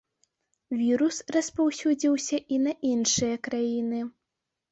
Вірус распаўсюдзіўся і на іншыя краіны.